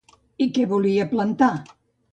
I què hi volia plantar?